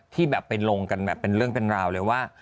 ที่แบบไปลงกันแบบเป็นเรื่องเป็นราวเลยว่า